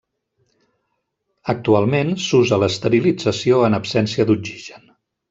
Actualment s'usa l'esterilització en absència d'oxigen.